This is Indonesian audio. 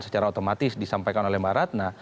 secara otomatis disampaikan oleh mbak ratna